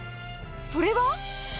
それは。